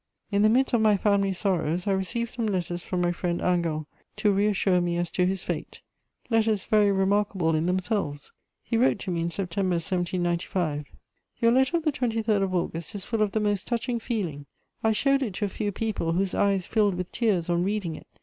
In the midst of my family sorrows I received some letters from my friend Hingant, to reassure me as to his fate: letters very remarkable in themselves; he wrote to me in September 1795: "Your letter of the 23rd of August is full of the most touching feeling. I showed it to a few people, whose eyes filled with tears on reading it.